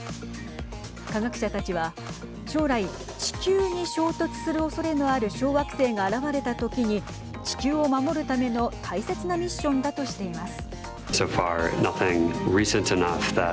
科学者たちは将来地球に衝突するおそれのある小惑星が現れた時に地球を守るための大切なミッションだとしています。